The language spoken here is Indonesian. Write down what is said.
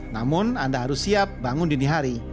namun anda harus siap bangun dini hari